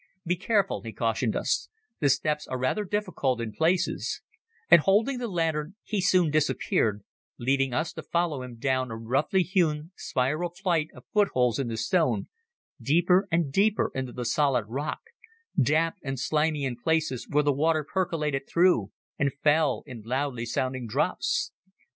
"Be careful," he cautioned us, "the steps are rather difficult in places," and holding the lantern he soon disappeared, leaving us to follow him down a roughly hewn spiral flight of foot holes in the stone, deeper and deeper into the solid rock, damp and slimy in places where the water percolated through and fell in loudly sounding drops.